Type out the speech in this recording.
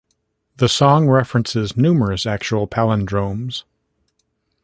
The song references numerous actual palindromes.